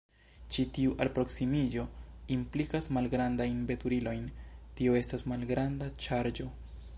Ĉi tiu alproksimiĝo implicas malgrandajn veturilojn, tio estas malgranda ŝarĝo.